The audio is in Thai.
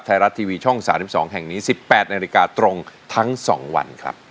ไทยรัฐทีวีช่อง๓๒แห่งนี้๑๘นาฬิกาตรงทั้ง๒วันครับ